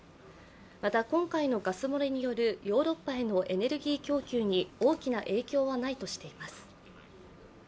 また今回のガス漏れによるヨーロッパへのエネルギー供給に大きな影響はないとしています。